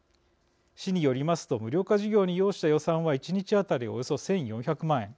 市によりますと無料化事業に要した予算は１日当たり、およそ１４００万円。